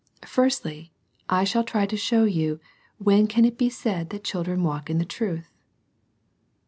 I. Firstly, I shall try to show you ^^wh^n can it he said that children walk in truth f " II.